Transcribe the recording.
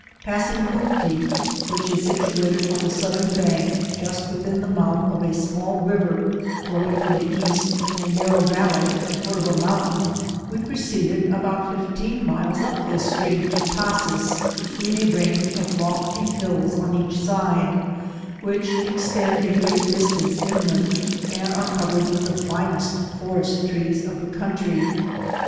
Passing Coop tee, which is situated on the southern bank, just within the mouth of a small river flowing from the east in a narrow valley at the foot of a mountain, we proceeded about fifteen miles up this stream to Ta&hees, between a range of lofty hills on each side, which extend a great distance inland, and are covered with the finest forest trees of the country.